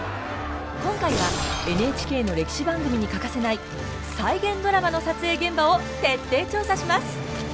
今回はＮＨＫの歴史番組に欠かせない再現ドラマの撮影現場を徹底調査します！